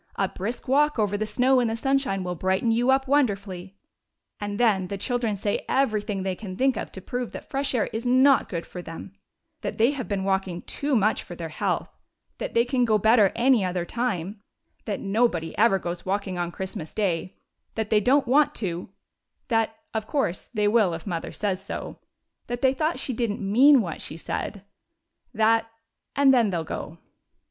A brisk walk over the snow in the sunshine will brighten you up wonderfully." And then the children say everything they can think of to prove that fresh air is not good for them ; that they have been walking too much for their health ; that they can go better any other time ; that nobody ever goes walking on Christmas day ; that they don't want to ; that, 33 HOME OF HELEN AND CHRISTOPHER of course, they will if mother says so ; that they thought she did n't mean what she said ; that — and then they go.